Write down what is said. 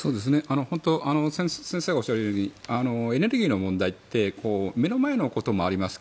本当に先生がおっしゃるようにエネルギーの問題って目の前のこともあります